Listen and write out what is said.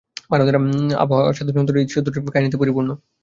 ভারতের আবহাওয়া সাধুসন্তদের ঈশ্বরদর্শনের কাহিনীতে পরিপূর্ণ।